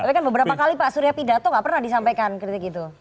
tapi kan beberapa kali pak surya pidato nggak pernah disampaikan kritik itu